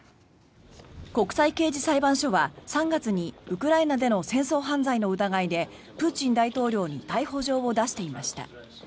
国際刑事裁判所は３月にウクライナでの戦争犯罪の疑いでプーチン大統領に逮捕状を出していました。